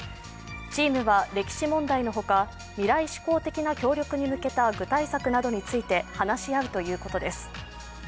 チームは歴史問題の他、未来志向的な協力に向けた具体策などについて話し合うということです。